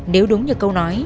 nếu đúng như câu nói